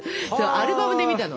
アルバムで見たの。